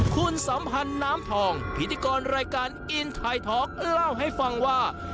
คุณสัมพันธ์น้ำทองพิธีกรรายการอินทายท็อกเล่าให้ฟังว่า